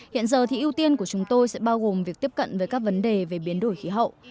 hiện giờ thì ưu tiên của chúng tôi sẽ bao gồm việc tiếp cận với các vấn đề về biến đổi khí hậu